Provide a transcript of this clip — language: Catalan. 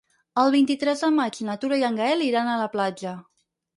El vint-i-tres de maig na Tura i en Gaël iran a la platja.